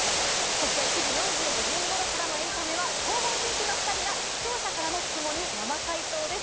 そして９時４５分頃からのエンタメは、東方神起のお２人が視聴者からの質問に生回答です。